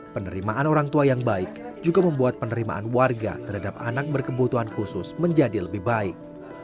penerimaan orang tua yang baik juga membuat penerimaan warga terhadap anak berkebutuhan khusus menjadi lebih baik